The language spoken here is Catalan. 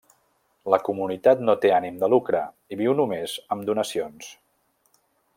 La comunitat no té ànim de lucre i viu només amb donacions.